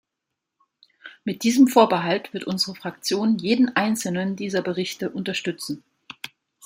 Mit diesem Vorbehalt wird unsere Fraktion jeden einzelnen dieser Berichte unterstützen.